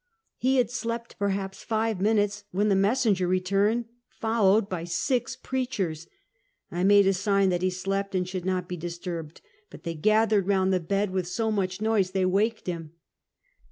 He had slept perhaps five minutes when the mes senger returned, followed bj six preachers! I made a sign that he slept and should not be disturbed, but thej gathered around the bed with so much noise thej waked him.